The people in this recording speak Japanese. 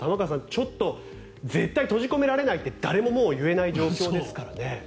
ちょっと絶対閉じ込められないって誰ももう言えない状況ですからね。